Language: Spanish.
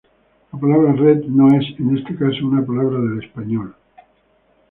La palabra "red" no es, en este caso, una palabra del español.